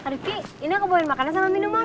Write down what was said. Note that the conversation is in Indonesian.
rifqi ini aku bawain makanan sama minuman